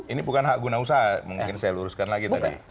ini bukan hak guna usaha mungkin saya luruskan lagi tadi